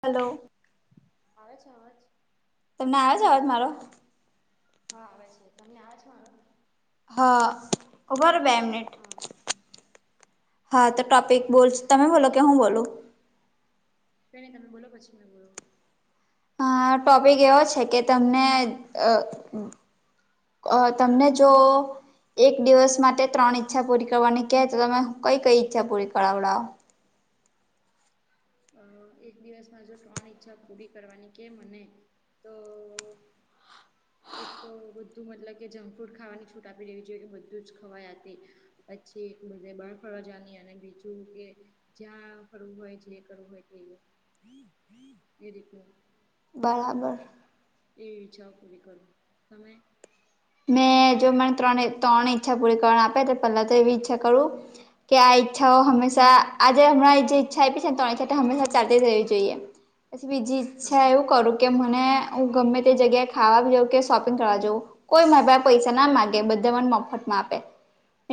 Hello આવે છે. આવેજ તમને આવે છે. અવાજ મારો હા આવે છે. તમને આવે છે. હા ઉભા રહો બે મિનિટ હા હા તો ટોપિક બોલ તમે બોલો કે હુ બોલુ કે નહી તમે બોલો પછી મેં બોલુ અ ટોપિક એવો છે. કે તમને અ તમને જો એક દિવસ માટે ત્રણ ઈચ્છા પૂરી કરવાની કહેય, તો તમે કઈ કઈ ઈચ્છા પૂરી કરાવડાવો અ એક દિવસમાં જો ત્રણ ઈચ્છા પૂરી કરવાની કે મને તો એક તો બધું મતલબ કે જંક ફ્રૂટ ખાવાની છૂટ આપી લેવી જોઈએ કે બધું જ ખવાય હતી. પછી એક બધે બાર ફરવા જની અને બીજું કે જ્યાં ફરવું હોય જે કરુંય કે એ રીતે બરાબર એવી ઈચ્છાઓ પૂરી કરો તમે મેં જો મને ત્રણે ત્રણ ઈચ્છા પૂરી કરવા આપે, તો પહેલા તો એવી ઈચ્છા કરુ કે આ ઈચ્છા હો હમેશા આજે હમંણા જે ઈચ્છા આપી છે. ને ત્રણ ઈચ્છા હંમેશા ચાલતી રહેવી જોઈએ પછી બીજી હા અચ્છા એવું કરું કે મને હુ, ગમે તે જગ્યાએ ખાવા જાઉં કે શોપિંગ કરવા જઉ કોઈ મારા પાસે પૈસા ના માગે બધા મને મફત માં આપે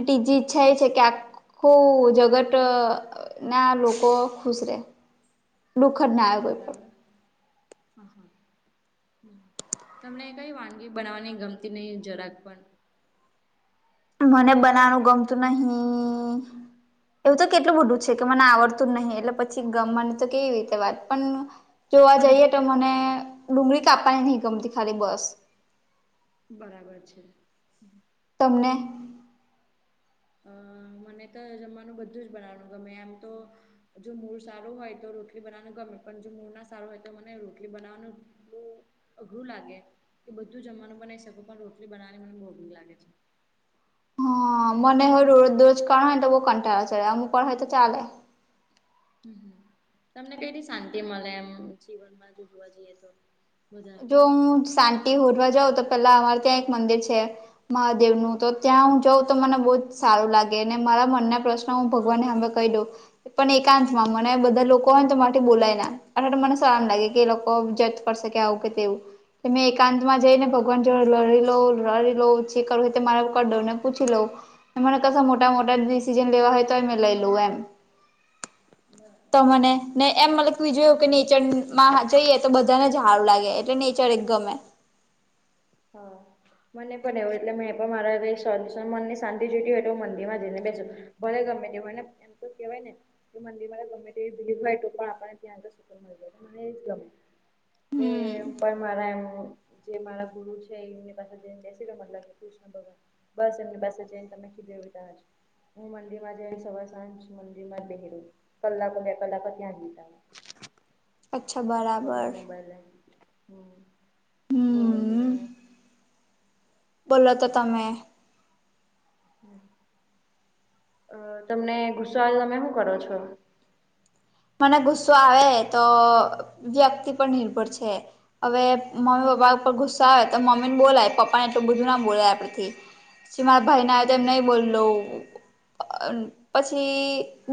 ત્રીજી ઈચ્છા એવી છે. કે આ હા ખૂ જગતના લોકો ખુશ રહે દુઃખના બરાબર હા હા તમને કઈ વાનગી બનાવવાની ગમતી નહીં જરાક પણ મને બનાવવાનું ગમતુ નહી એવું તો કેટલું બધું છે. કે મને આવડતું જ નહી એટલે પછી ગમવાની તો કેવી રીતે વાત પણ જોવા જઈએ તો મને ડુંગળી કાપવાની નહીં ગમતી ખાલી બસ બરાબર છે. તમને અ મને તો જમવાનું બધું જ બનાવાનું ગમે આમ તો જો મૂડ સારું હોય તો રોટલી બનાવવાનું ગમે પણ જો મૂડ ના સારું હોય તો મને રોટલી બનાવવાનુ અઘરું લાગે કે બધું જમવાનું પણ બનાવી શ કુ પણ રોટલી બનાવવાનું મને બહુ અઘરું લાગે છે. હ મને હ રોજ દુરોજ કરણ હો તો બ કંટાળ ચું કોણ હોય તો ચાલે તમને કઈ રી શાંતિ મળે એમ જીવનમાં જો જોવા જઈએ તો વધારે જો હું શાંતિ હોરવા જાઉ તો પેલા અમારે ત્યાં એક મંદિર છે. મહાદેવનુ તો ત્યાં હુ જઉ તો મને બહુ જ સારુ લાગે ને મારા મનના પ્રશ્ન હું ભગવાન હામે ક દ પણ એકાંતમા મને બધા લોકો હોય તો માટે બોલાય ના અઠ મનેસ આમ લાગે કે એ લોકો જત કરશે આવું કે તેવુ કે મેં એકાંતમા જઈને, ભગવાન જોડે લડી લોઉ લડી લોઉ જે કરતે મારા કડો ને પૂછી લઉ કરતા મોટા મોટા ડિસિઝન લેવા હોય તો એમે લઈ લઉ એમ [unintelligible] મને ને એમ મ બજું કે નીચેણ માં જઈએ તો બધાને સારું લાગે એટલે નેચર એક ગમે હા મને પણ એવું એટલે મેં પણ મારા મનની શાંતિ જોતી હોય તો હું મંદિરમાં જઈને બેસું. ભલે ગમે તેવાય ને એમ તો કેવાય ને કે મંદિર માં ગમે તે એવી ભીડ હોય તો પણ આપણને ત્યાં સુર મળી જાય તો મને એ જ ગમે એ હમ પણ મારા એમ જે મારા ગુરુ છે, એમની પાસે જનેસી મતલા કૃષ્ણ ભગવાન. બસ એમની બેસે જઈને તમે ખીધવું તાજ... હું મંડીિમાં જ સવા સાંજ મંડીિમાં બેસી રહું. કલાકો બે કલાક ત્યાં [unintelligible] અચ્છા [unintelligible] વગર મોબાઈલ રહે હ બોલો તો હમ તમે. બોલો તો તમે. અ તમને ગુસાલ તમે શું કરો છો? મને ગુસ્સો આવે તો વ્યક્તિ પર નિર્ભર છે. હવે મમ્મી પપ્પા ઉપર ગુસ્સો આવે તો મમ્મી ને બોલાય પપ્પા ને એટલું બધું ના બોલાય આપડેથી. [inaudible] સીમાર ભાઈ ના આવે તો એમ નહી બોલલો. [unintelligible] પછી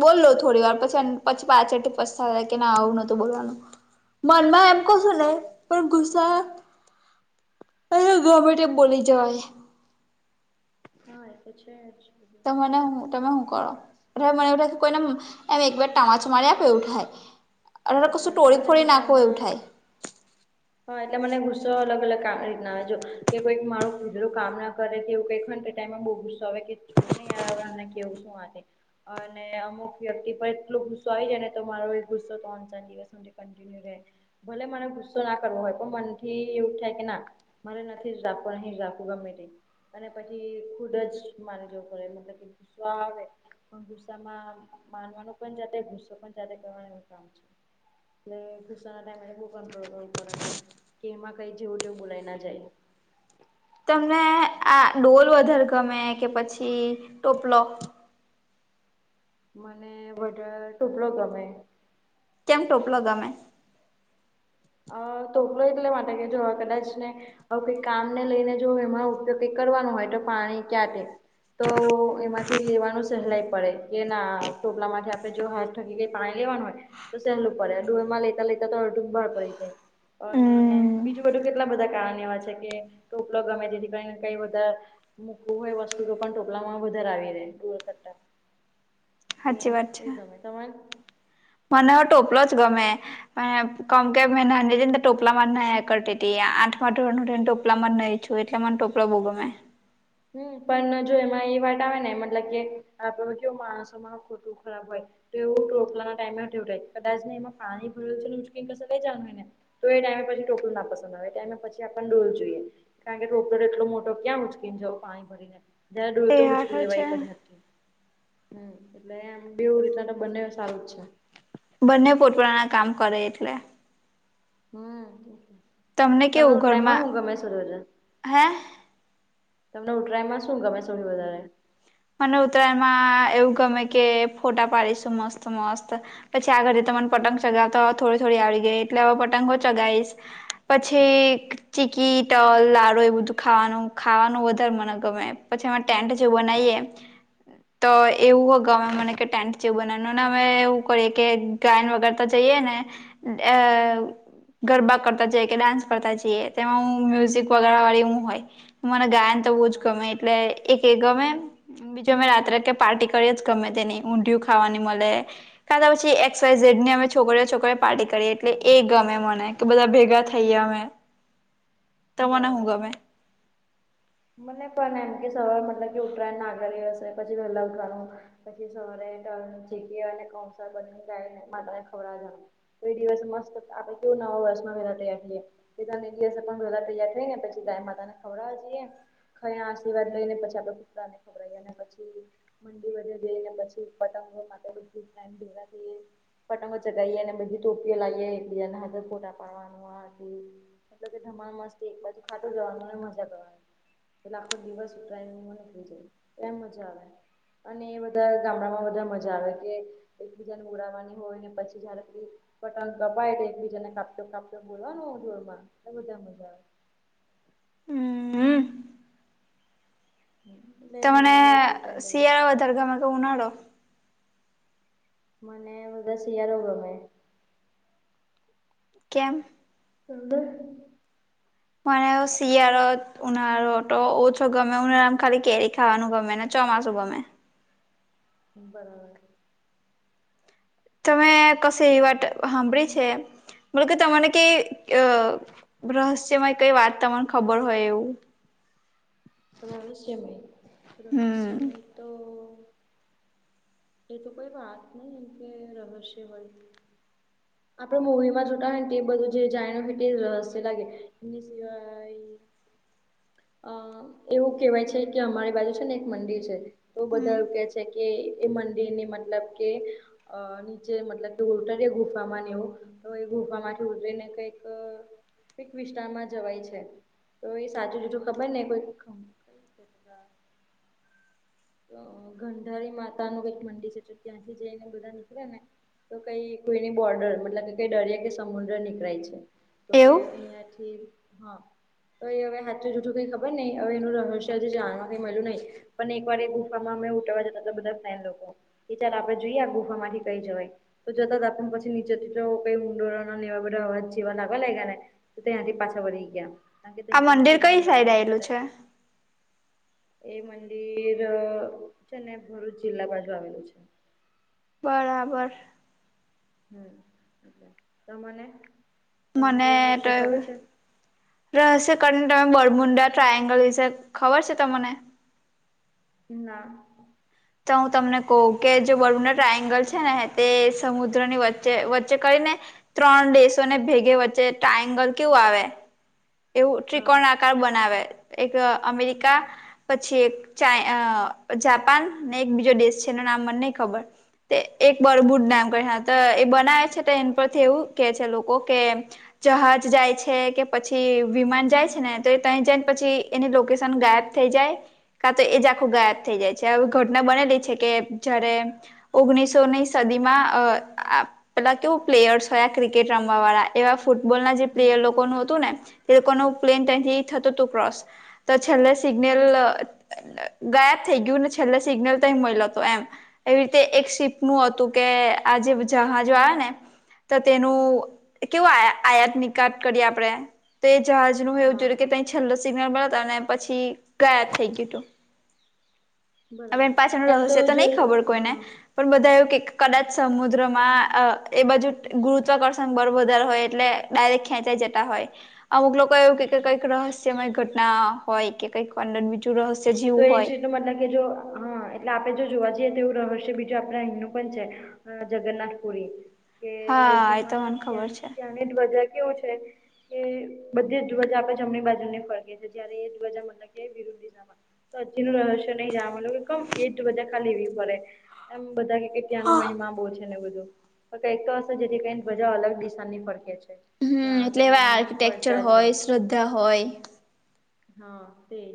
બોલલો થોડી વાર પછી પછી... પાછળથી પસ્તા કે ના આવું નોતું બોલવાનું... મનમાં એમ કસો નને પણ ગુસ્સા... અરે ઘમે બોલી જવાય. હા એ તો છે જ... તો મને હું તમે હું કરો? મને એવું લાગે કોઈને એમ એક બેર ટામાચું મારી આપ એવું થાય. અને જ કશું ટોળી મને ફોડી નાખવું એવું ગુસ્સામાં થાય. હા એટલે મને ગુસ્સો અલગ અલગ કામ રીતના આવે જો કે કોઈક મારું કીધેલું કામ ના કરે તે એવું કઈ... ટાઈમાં બહુ ગુસ્સો આવે કે છોડ નહીં યાર હવે અને કેવું શું આથે... અને અમુક વ્યક્તિ પર એટલો ગુસ્સો આવી જાય ને તો મારો એ ગુસ્સો તો... [unintelligible] ભલે મને ગુસ્સો ના કરવો હોય પણ મનથી એવું થાય કે ના. મને નથીખવા અહી જખવું ગમે તે... અને પછી ખુદ જ માનજો પડે મતલબ કે ગુસ્સો આવે... પણ ગુસ્સામાં માનવાનું પણ જાતે ગુસ્સો પણ જાતે કરવાનું કામ છે. એલે ગુસ્સા ના ટાઈમે બહુ કંટ્રોલ કરવું પડે છે, કે એમાં કઈ જેવું તેવું બોલાય ના જાય. તમને આ ડોલ વધારે ગમે કે પછી ટોપલો? મને વધારે ટોપલો ગમે. કેમ ટોપલો ગમે? અ તોકલો એટલે માટે કે જો કદાચ ને... હ કઈ કામ ને લઈને જો એમાં ઉપયોગ કઈ કરવાનો હોય તો પાણી ક્યાં તે... તો એમાંથી લેવાનું સહેલાય પડે કે ના ટોપલા માટે આપડે જો હાથ... કી પાણી લેવાનું હોય તો સહેલું પડે એમાં લેતા લેતા તો બહાર પડીેાય અને... હમ્મ બીજું બધું કેટલા બધા કારણ એવા છે, કે ઉપલો ગમે જેથી કાર કઈ બધા... મૂકવું હોય વસ્તુ તો પણ ટોપલા માં વધારે આવી રહે એના કરતા. તો સાચી વાત એ છે તમે તમારે. મને પણ ટોપલો જ ગમે. કમ કે મે નાને ટોપલામાંર ના કરતી હતી, આઠમા ધોરણ સુધી ટોપલા માં [unintelligible] છે. તો એટલે મને ટોપલો બો ગમે હમ પણ જો એમાં એ વાત આવે ને મતલબ કે આપડે કેવું માણસોમાં ખોટું ખરાબ હોય. તો એવું ટોટલા ના ટાઈમે વાય કદાચ ને એમાં પાણી ભર્યું છે ને ક લ જાણય ને તો એ ટાઈમે પછી ટોકલુંના પસંદ આવે એ ટાઈમે પછી આપને ડોલ જોઈએ. કારણ કે ટોકર એટલો મોટો ક્યાં ઉચકીને જવું. પાણી ભરીને જને એ ડોલતો ઉચકી હારું લેવા છે એક જ હાથ થી. હમ એટલે એમ બેવ એટલા તો બંને સારું જ છે. બંને પોત પોતાના કામ કરે એટલે હમ તમને કેવું હું ટ્રાઈમાં ઘરમાં હું ગમે શર જ હે? તમને ઉટરાઈમાં શું ગમે છે સૌથી વધારે મને ઉત્તરાયણમાં એવું ગમે કે ફોટા પાડીશું મસ્ત મસ્ત પછી આગળ તા મને પતંગ ચગાવતા થોડી થોડી આવડી ગઈ એટલે હવે પતંગો ચગાઈશ પછી ચીકી તલ લારુ એ બધું ખાવાનું ખાવાનું વધારે મને ગમે પછી અમે ટેન્ટ જેવું બનાઈએ. તો એવું હો ગમે મને કે ટેન્ટ જેવું બનાનાના ને અમે એવું કરીએ કે ગાયન વગાડતા જઈએ ને એવ ગરબા કરતા જઈએ કે ડાન્સ કરતા જઈએ તેમાં હું મ્યુઝિક વગાળવા વાળી હું હોય. મને ગાયન તો બહુ જ હા ગમે હા એટલે એક એ ગમે બીજું અમે રાત્રે કે પાર્ટી કરીએ જ ગમે તેની ઊંંધિયું ખાવાની મલે કા તો પછી એક્સ વાઇ ઝેડની અમે છોકરીઓ છોકરીઓ પાર્ટી કરીએ એટલે એ ગમે મને તો બધા ભેગા થઈએ અમે તમને હું બરાબર ગમે? મને પણ એમ કે સવાર મતલબ કે ઉતરાયણના આગલા દિવસે પછી વહેલા ઉઠવાનું. પછી સવારે તલ ચીકિ અને ખવસા બને ગાય માતાને ખવડાવા જવાનું. કોઈ દિવસ મસ્ત આપડે કેવું નવા વર્ષમાં વહેલા તૈયાર થઈએ. પીતાને દિવસે પણ વેલા તૈયાર થઈ ને પછી ગાય માતાને ખવડાવવા જઈએ ને ખઈ આશીર્વાદ લઈને પછી આપડે કુતરાને ખવરાઈએ અને પછી મંદિરે જઈને પછી પતંગો માટે ખૂબ [unintelligible] ટાઈમ ભેગા થઈ પતંગો ચગાઈએ અને બધી ટોપીઓ લાઈએ એકબીજાને હાથે ફોટા પાડવાનું. હા તે જ મતલબ કે ધમાલ મસ્તી એક બાજુ ખાટું જવાનું અને મજા કરવાની. એટલે આખો દિવસ ઉતરાયણમા નીકળી જય એમ મજા આવે. અને એ બધા ગામડામાં બધા મજા આવે કે એકબીજાની ઉડાવાની હોય ને પછી જયારે ફ્રી પતંગ કપાય એકબીજા ને કાપતુ કાપતુ બોલવાનું જોરમાં તો વધારેમજા આવે. હમ હમ તમને શિયાળો વધારે ગમે કે ઉનાળો? મને વધારે શિયાળો ગમે. કેમ? સૌને મને શિયાળો ઉનાળો તો ઓછો ગમે ઉનાળામાં ખાલી કેરી ખાવાનું ગમે ને ચોમાસું ગમે બરાબર. તમે કશે એવી વાત સાંભળી છે મતલબ કે તમને કે અ રહસ્યમાંય કઈ વાત તમને ખબર હોય એવું. રહસ્યમય રહસ્યમય હમ તો એ તો કોઈ વાત નહીં એમ કે રહસ્ય હોય. આપડે મુવીમાં જોતા હોય ને તે બધું જે જાણ્યું હોય તે રહસ્ય લાગે એની સિવા અ એવું કેવાય છે કે અમારી બાજુ છે ને એક મંદિર છે તો બધા એવું કે છે કે એ મંદિરની મતલબ કે અ નીચે મતલબ તો ઉલ્ટ ગુફામાં નેવું તો એ ગુફા માંથી ઉજરી ને કઈક કઈક વિસ્તારમાં જવાય છે તો એ સાજું બીજું ખબર ને કોઈ [unintelligible] તો ગંઢારી માતા નું ક મંદિર છે ત્યાંથી જઈને બધા નીકળે ને તો કઈ કોઈની બોર્ડર મતલબ કે કઈ દરિયા કે સમુદ્ર નીકળાય છે. તો કે એવું અહીયા થી. હા તો એ હવે હાચુ જુઠું કઈ ખબર નઈ હવે એનું રહસ્ય જે જાણવા કઈ મળલ્યું નહી પણ એક પણ એ ગુફામાં અમે ઉઠાવા જતા બધા ફ્રેન લોકો કે ચાલ આપણે જોઈએ આ ગુફામાંથી કઈ જવાય તો જતા આપને પછી નીચેથી તો કઈ ઊંડરો ના લેવા બધા અવાજ જેવા લાગવા લાગયા ને. તો ત્યારે પાછા વળી ગયા. ત આ મંદિર કેચેનેવું કઈ લાગ સાઈડ આવેલું કદાયચ છે એ મંદિર અ છે ને ભરૂચ જિલ્લા બાજુ આવેલું છે. બરાબર. હમ તમને તમને કોઈ રહસ્ય ખબર છે. રહસકરણને તમે બરમુંડા ટ્રાાયંગલ વિશે ખબર છે તમને ના. તો હું તમને કઉ કે જે બરૂુના ટ્રાયંગલ છે ને તે સમુદ્રની વચ્ચે વચ્ચે કરી ને ત્રણ દેશો ને ભેગે વચ્ચે ટ્રાયંગલ કેવું આવે. એવું હા ત્રિકોણ આકાર બનાવે એક અમેરિકા પછી એક ચાચ અ જાપાન ને એક બીજો દેશ છે એનું નામ મને નહી ખબર તે એક બરો બુટ હમ [inaudible] હમ ડમ કર એ બનાવે છે તો એ પરથી એવું કે છે લોકો કે જહાજ જાય છે કે પછી તે વિમાન જાય છે ને તો ત જઈને પછી એની લોકેશન ગાયબ થઈ જાય કા તો એ જ આખું ગાયબ થઈ જાય છે આવી ઘટના બનેલી છે કે જયારે ઓગ્ણીસોની સદીમાં અ પેલા કેવું પ્લેયર્સ હોયા ક્રિકેટ રમવા વાળા એવા ફૂટબોલ ના જે પ્લેયર હમ લોકોનું હતું ને તે લોકો નુ પ્લેન ત્યાંથી થતું હતું ક્રોસ તો છેલ્લે સિગ્નલ ગાયબ થઈ ગયું ને છેલ્લે સિગ્નલ તોઈ મળલોતો એમ. એવી રીતે એક સીપનું હતું કે આજે જહાજો આવે ને. તો તેનું કેવું આ આયાત નિકાટ કરીએ આપણે તો એ જહાજનું એવું હા જો કે તે છેલ્લો સિગ્નલ મળતા ને પછી ગાયબ થઈ ગયું હતું. હવે બરાબર એ પાછળનું એમ રહશે તો જો નહી ખબર કોઈને. હા પણ બધા એવું કે કદાચ સમુદ્રમાં એ બાજુ ગુરુત્વાકર્ષણ બળબાર હોય એટલે ડાયરેક્ટ ખેંચાઈ જતા હોય અમુક લોકો એવું કે હમ કઈક રહસ્યમય ઘટના હોય કે. કઈ કડન બીચું રહ છે જી. તો એ જીતનું મતલબ કે જો હા એટલે આપણે જો જોવા જઈએ તો એવું રહસ્ય બીજું આપણા હિન્નું પણ છે જગન્નાથ પુરી કે હા એ તો જેમાંં મને ખબર છે ત્યાંની ધ્વજા કેવું છે. એ બધે જ ધુવજા આપડે જમણી બાજુ ને ફરકે છે જ્યારે એ ધ્વજા મતલબ કે વિરુદ્ધિ ના. તો સાચી નું રહસ્ય નહી જલું કેમ એટ બજા ખાલી એવી પડે એમ બધા ત્યાંનો મહિમા બહુ છે ને બધું તો કંઈક તો હશે જેથી કઈને ધજા અલગ દિશાની ફરખે છે. ત્યાં હમ એટલે આગળ એવા એમના પછી આર્કિટેક્ચર પર્ચા છે. હોય શ્રદ્ધા હોય હા તેજ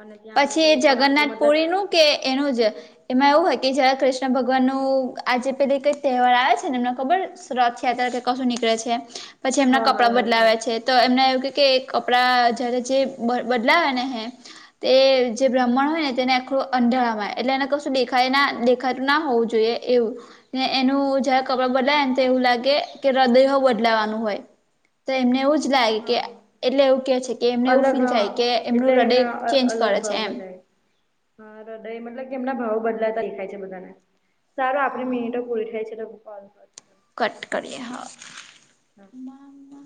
અને ત્યાં પછી આગળ એ કઈ પણ આપણે મતલબ જગન્નાથપુરીનું કે એનુજ. એમાં એવું હોય કે જયારે કૃષ્ણ ભગવાન નુ આજે પેલા કઈક તેહવાર આવે છે ને એમને ખબર. રથ યાત્રા કે કશું નીકળે છે પછી એમના હા કપડા હા બદલાવે રાશિયા છે. તો એમને એવું ક કે કપડાં જયારે જે બ બદલાવે ને હે તે જે બ્રાહ્મણ હોય ને તેને આખું અંધાળામાંય એટલે એને કશું દેખાય ના દેખાતું ના હોવું જોઈએ એવું. ને એનું જયારે કપડાં બદલાય ને તો એવું લાગે કે હૃદય બદલાવાનું હોય. તો એમને એવું જ લાગે કે હા એટલે એવું કે છે કે એમને એવું અલગ ફીલ હા થાય કે એટલે એમનું એમના હૃદય ચેન્જ અલગ કરે છે ભાવ એમ બઘાય હા હૃદય મતલબ કે એમના ભાવો બદલાતા દેખાય છે બધાને. સારું આપણે હા મિનટો પુરી થાય છે પછે કોલ કરુ. કટ કરીએ હા. હા. મામા